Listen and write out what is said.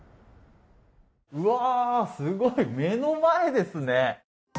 うわ、すごい、目の前ですね。